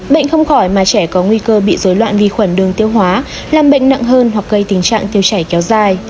bệnh không khỏi mà trẻ có nguy cơ bị dối loạn vi khuẩn đường tiêu hóa làm bệnh nặng hơn hoặc gây tình trạng tiêu chảy kéo dài